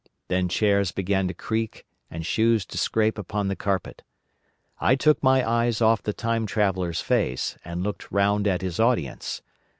Then chairs began to creak and shoes to scrape upon the carpet. I took my eyes off the Time Traveller's face, and looked round at his audience.